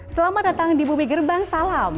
selamat datang di bumi gerbang salam